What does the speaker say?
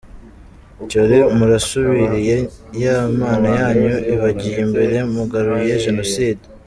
Cyore, murasubiriye ya mana yanyu ibagiye imbere mugaruye Jenoside ?